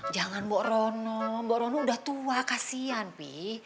jangan mbak rono mbak rono udah tua kasihan pi